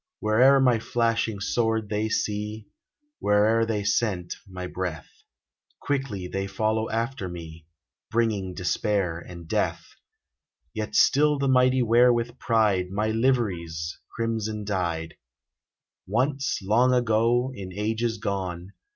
Where'er my flashing sword they see, Where'er they scent my breath. Quickly they follow after me. Bringing despair and death ; Yet still the mighty wear with pride My liveries, crimson dyed ! 1 08 WAR Once, long ago, in ages gone.